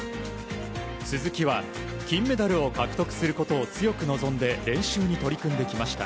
鈴木は金メダルを獲得することを強く望んで練習に取り組んできました。